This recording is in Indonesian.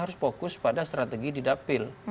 harus fokus pada strategi didapil